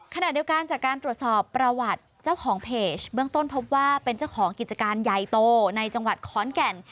ขณะเดียวกันจากการตรวจสอบประวัติเจ้าของเพจเบื้องต้นพบว่าเป็นเจ้าของกิจการใหญ่โตในจังหวัดขอนแก่น